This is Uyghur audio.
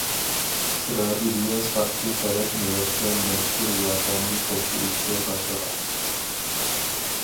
ئىسرائىلىيە ساقچى تەرەپ نۆۋەتتە مەزكۇر ۋەقەنى تەكشۈرۈشكە باشلىغان.